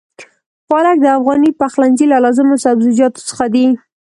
پالک د افغاني پخلنځي له لازمو سبزيجاتو څخه دی.